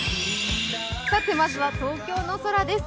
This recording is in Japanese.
まずは東京の空です。